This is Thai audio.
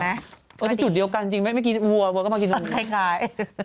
อาจจะจุดเดียวกันจริงไหมไม่กินวัวก็มากินน้ำคล้าย